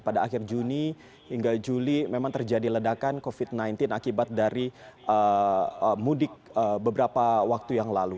pada akhir juni hingga juli memang terjadi ledakan covid sembilan belas akibat dari mudik beberapa waktu yang lalu